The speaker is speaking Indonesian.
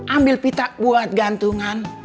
ambil pita buat gantungan